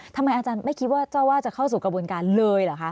อาจารย์ไม่คิดว่าเจ้าว่าจะเข้าสู่กระบวนการเลยเหรอคะ